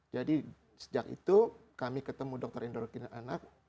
jadi sejak itu kami ketemu dokter endokrin anak